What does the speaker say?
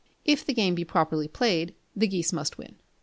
If the game be properly played, the geese must win.